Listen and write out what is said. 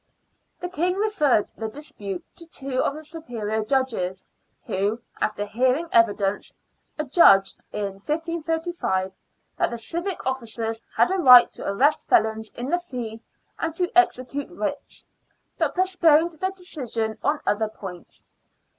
The King referred the dispute to two of the superior judges, who, after hearing evidence, adjudged in 1535 that the civic officers had a right to arrest felons in the Fee and to execute writs, but postponed their decision on other points.